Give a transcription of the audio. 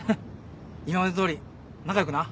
今までどおり仲良くな。